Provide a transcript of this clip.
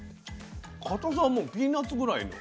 かたさはもうピーナツぐらいの。